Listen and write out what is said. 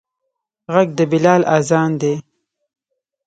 غږ د بلال اذان دی